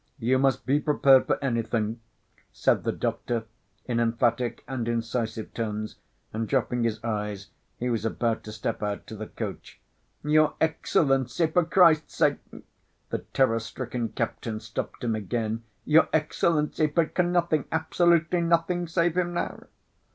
"You must be prepared for anything," said the doctor in emphatic and incisive tones, and dropping his eyes, he was about to step out to the coach. "Your Excellency, for Christ's sake!" the terror‐stricken captain stopped him again. "Your Excellency! but can nothing, absolutely nothing save him now?"